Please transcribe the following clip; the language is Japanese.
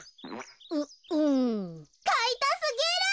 ううん。かいたすぎる！